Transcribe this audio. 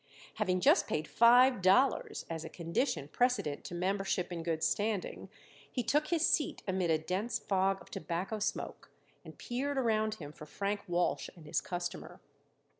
Having just paid five dollars as a condition precedent to membership in good standing, he took his seat amid a dense fog of tobacco smoke and peered around him for Frank Walsh and his customer.